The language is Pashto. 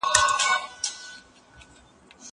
زه کولای سم شګه پاک کړم!؟